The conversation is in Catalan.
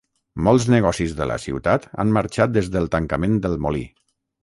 Molts negocis de la ciutat han marxat des del tancament del molí.